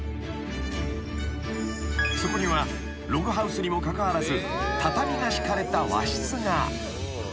［そこにはログハウスにもかかわらず畳が敷かれた和室が］